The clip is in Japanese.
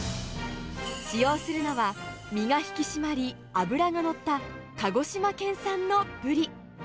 使用するのは、身が引き締まり、脂が乗った、鹿児島県産のブリ。